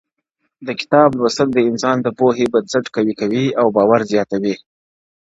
• د کتاب لوستل د انسان د پوهې بنسټ قوي کوي او باور زياتوي -